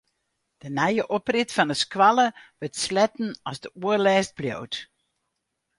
De nije oprit fan de skoalle wurdt sletten as de oerlêst bliuwt.